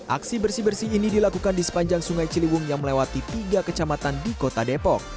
aksi bersih bersih ini dilakukan di sepanjang sungai ciliwung yang melewati tiga kecamatan di kota depok